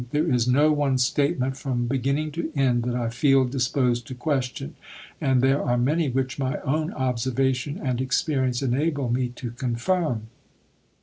There is no one statement from beginning to end that I feel disposed to question, and there are many which my own observation and experience enable me to confirm."